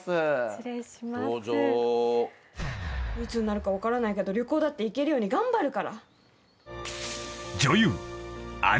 「いつになるか分からないけど旅行だって行けるように頑張るから」